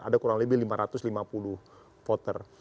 ada kurang lebih lima ratus lima puluh voter